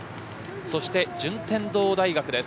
そして順天堂大学です。